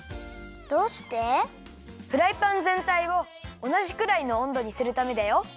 フライパンぜんたいをおなじくらいのおんどにするためだよ。